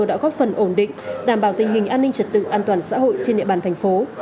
đã góp phần ổn định đảm bảo tình hình an ninh trật tự an toàn xã hội trên địa bàn thành phố